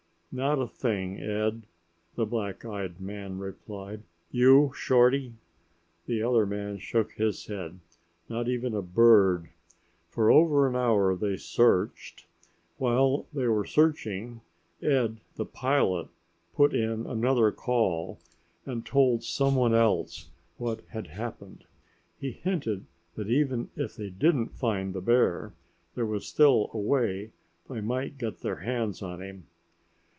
"Not a thing, Ed!" the black eyed man replied. "You, Shorty?" The other man shook his head. "Not even a bird." For over an hour they searched. While they were searching, Ed, the pilot, put in another call and told someone else what had happened. He hinted that even if they didn't find the bear, there was still a way they might get their hands on him.